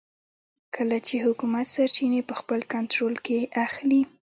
کله چې حکومت سرچینې په خپل کنټرول کې اخلي.